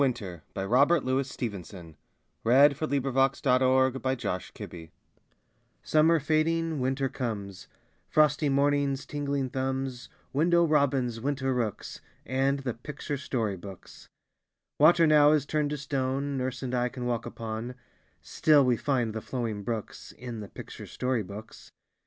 How great and cool the rooms! PICTURE BOOKS IN WINTER Summer fading, winter comes Frosty mornings, tingling thumbs, Window robins, winter rooks, And the picture story books. Water now is turned to stone Nurse and I can walk upon; Still we find the flowing brooks In the picture story books.